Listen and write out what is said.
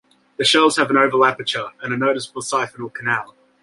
The shells have an oval aperture, and a noticeable siphonal canal.